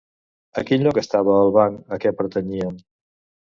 A quin lloc estava el banc a què pertanyien?